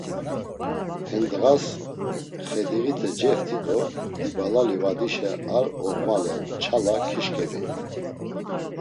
He ndğas xediğite ceft̆i do İbala livadişe ar oğmale nçala keşk̆eviği.